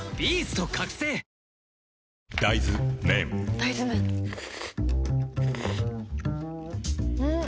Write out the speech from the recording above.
大豆麺ん？